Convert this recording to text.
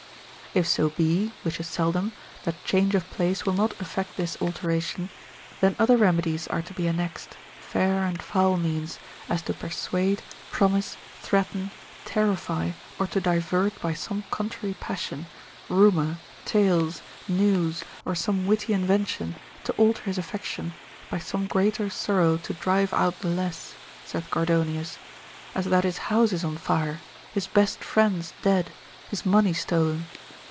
If so be (which is seldom) that change of place will not effect this alteration, then other remedies are to be annexed, fair and foul means, as to persuade, promise, threaten, terrify, or to divert by some contrary passion, rumour, tales, news, or some witty invention to alter his affection, by some greater sorrow to drive out the less, saith Gordonius, as that his house is on fire, his best friends dead, his money stolen.